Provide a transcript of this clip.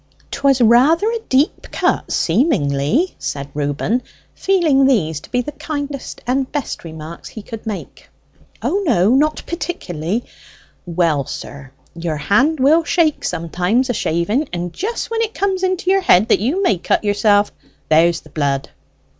"'Twas rather a deep cut seemingly?" said Reuben, feeling these to be the kindest and best remarks he could make. "O, no; not particularly." "Well, sir, your hand will shake sometimes a shaving, and just when it comes into your head that you may cut yourself, there's the blood."